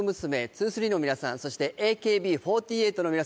’２３の皆さんそしてＡＫＢ４８の皆さん